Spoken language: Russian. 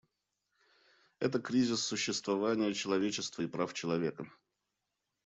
Это кризис существования человечества и прав человека.